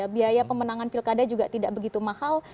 biaya pemenangan pilkada juga tidak begitu mahal